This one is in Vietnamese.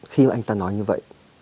khi mà anh ta nói như vậy